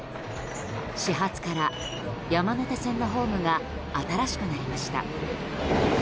始発から山手線のホームが新しくなりました。